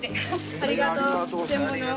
ありがとう。